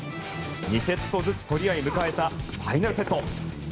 ２セットずつ取り合い迎えたファイナルセット。